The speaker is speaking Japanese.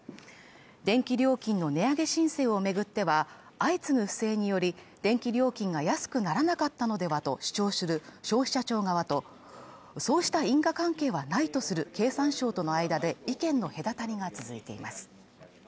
電気料金の値上げ申請を巡っては、相次ぐ不正により、電気料金が安くならなかったのではと主張する消費者庁側とそうした因果関係はないとする経産省との間で意見の隔たりが続いています。